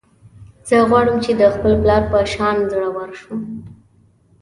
زه غواړم چې د خپل پلار په شان زړور شم